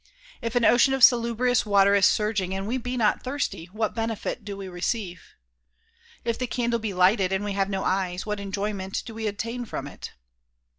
If an ocean of salubrious water is surging and we be not thirsty, what benefit do we receive? If the candle be lighted and we have no eyes, what enjoyment do we obtain from it?